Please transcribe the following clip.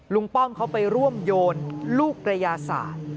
ลุงป้อมเขาไปร่วมโยนลูกกระยะสาตว์